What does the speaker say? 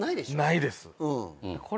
ないです。